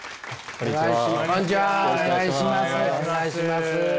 お願いします。